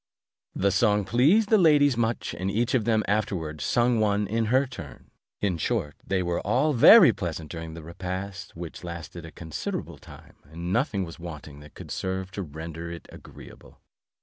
The song pleased the ladies much, and each of them afterwards sung one in her turn. In short, they were all very pleasant during the repast, which lasted a considerable time, and nothing was wanting that could serve to render it agreeable.